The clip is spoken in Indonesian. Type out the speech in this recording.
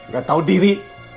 gak tau diri